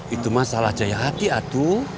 itu masalah jaya hati atu